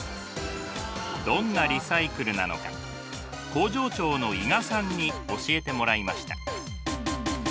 どんなリサイクルなのか工場長の伊賀さんに教えてもらいました。